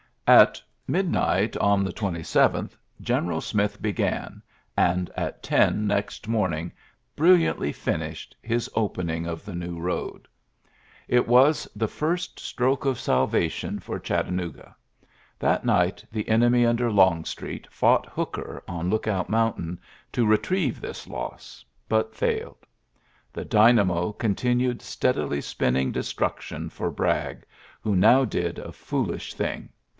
At mid night on the 27th General Smith b^an, and at ten next morning brilliantly finished, his opening of the new road. TJLTSSES S. GEA:NT 87 It was the first stroke of salvation for Chattanooga. That night the enemy under Longstreet fonght Hooker on Lookout Mountain to retrieve this loss, but fidled. The dynamo continued steadily spinning destruction for Bragg, who now did a foolish thing.